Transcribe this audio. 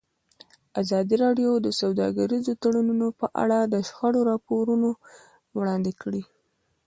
ازادي راډیو د سوداګریز تړونونه په اړه د شخړو راپورونه وړاندې کړي.